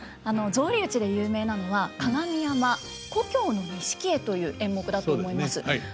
草履打ちで有名なのは「加賀見山旧錦絵」という演目だと思います。